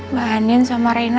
mbak anin sama reina kemana ya